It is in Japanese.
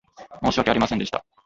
申し訳ありませんでした。